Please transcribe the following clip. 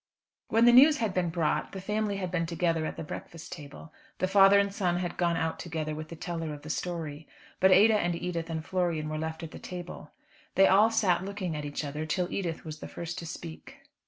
When the news had been brought, the family had been together at the breakfast table. The father and son had gone out together with the teller of the story. But Ada and Edith and Florian were left at the table. They all sat looking at each other till Edith was the first to speak.